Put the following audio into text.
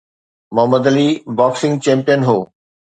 Muhammad Ali boxing champion هو.